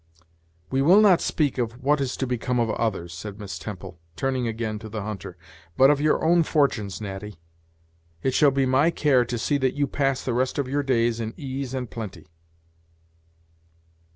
"We will not speak of what is to become of others," said Miss Temple, turning again to the hunter "but of your own fortunes, Natty. It shall be my care to see that you pass the rest of your days in ease and plenty."